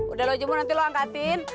udah lo jemur nanti lo angkatin